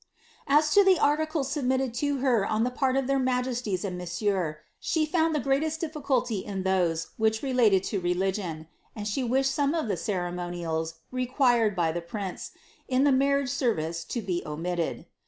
''' As to the articles submitted to her on the part of their majesties and nonsienr, she found the greatest difficulty in those which relate<i to re ligion, and she wished some of the ceremonials, required by the prince, in the marriage service to be omitted.